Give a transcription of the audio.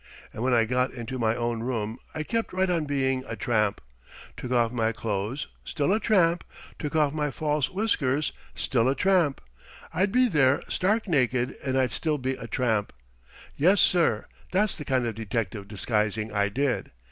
And when I got into my own room I kept right on being a tramp. Took off my clothes still a tramp. Took off my false whiskers still a tramp. I'd be there stark naked and I'd still be a tramp. Yes, sir. That's the kind of detective disguising I did.